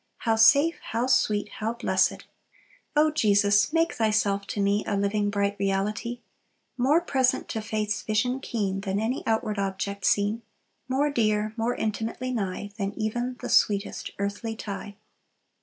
How safe, how sweet, how blessed! "O Jesus, make Thyself to me A living, bright reality! More present to faith's vision keen Than any outward object seen; More dear, more intimately nigh, Than even the sweetest earthly tie."